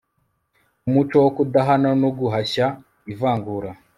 umuco wo kudahana no guhashya ivangura